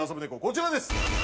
こちらです。